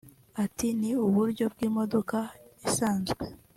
At "Ni uburyo bw’imodoka isanzwe